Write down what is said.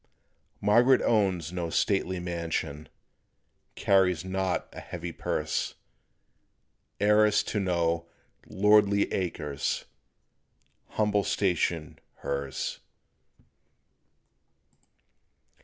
Margaret owns no stately mansion, Carries not a heavy purse; Heiress to no "lordly acres," Humble station hers.